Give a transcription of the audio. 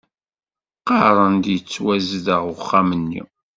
Qqaren-d yettwazdeɣ uxxam-nni